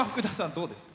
どうですか？